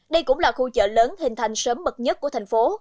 đây cũng là khu chợ lớn hình thành sớm mật nhất của thành phố